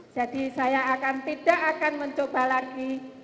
jadi saya akan tidak akan mencoba lagi